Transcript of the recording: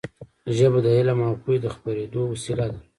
ژبه د علم او پوهې د خپرېدو وسیله ده.